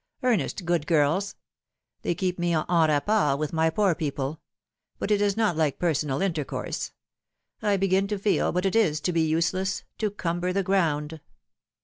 Earnest good girls. They keep me en rapport with my poor people ; but it is not like personal intercourse. I begin to feel what it is to be useless to cumber the ground."